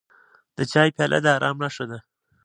د چای پیاله د ارام نښه ده.